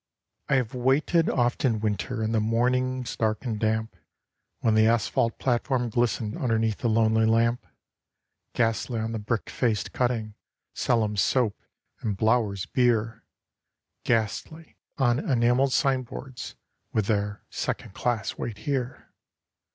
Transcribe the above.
I have waited oft in winter, in the mornings dark and damp, When the asphalt platform glistened underneath the lonely lamp. Ghastly on the brick faced cutting 'Sellum's Soap' and 'Blower's Beer;' Ghastly on enamelled signboards with their 'Second class wait here.